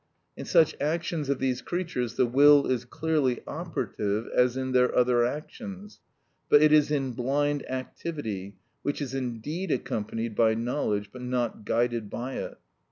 In such actions of these creatures the will is clearly operative as in their other actions, but it is in blind activity, which is indeed accompanied by knowledge but not guided by it.